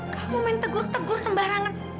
kamu main tegur tegur sembarangan